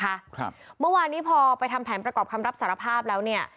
ครับเมื่อวานนี้พอไปทำแผนประกอบคำรับสารภาพแล้วเนี่ย